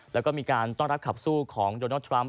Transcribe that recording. แล้วก็มีการต้อนรับขับสู้ของโดนัลดทรัมป